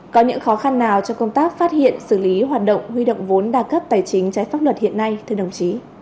có những khó khăn nào trong công tác phát hiện xử lý hoạt động huy động vốn đa cấp tài chính trái pháp luật hiện nay thưa đồng chí